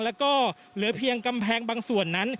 แล้วก็เหลือเพียงกำแพงบางส่วนนั้น